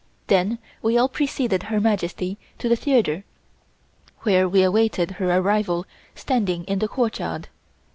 Then we all preceded Her Majesty to the theatre, where we awaited her arrival standing in the courtyard.